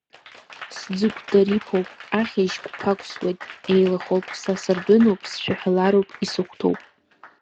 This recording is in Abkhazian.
Сӡыгәдариԥоуп, ахьыжь қәԥақәсуеит, еилахоуп, са сардәыноуп, сшәаҳәалароуп, исыхәҭоуп.